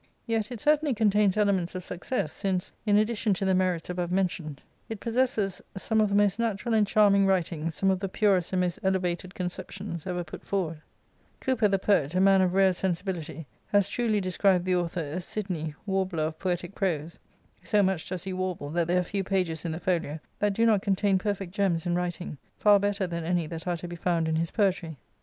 Yet it certainly contains elements of success, since, in addition to the merits above mentioned, it possesses some of the most natural and charming writing, some of the purest an3^most elevated conceptions, ever put forward, Cow per, the poet, a man of rare sensibility, has truly de scribed the author as " Sidney, warbler of poetic prose ;" 30 much does he warble, that there are few pages in the folio that do not contain perfect gems in writing, far better k than any that are to be found in his poetiy.